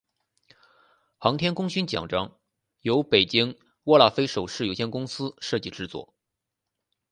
航天功勋奖章由北京握拉菲首饰有限公司设计制作。